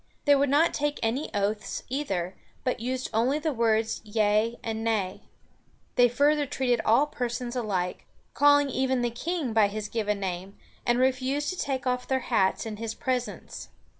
They would not take any oaths, either, but used only the words "yea" and "nay." They further treated all persons alike, calling even the king by his given name, and refused to take off their hats in his presence.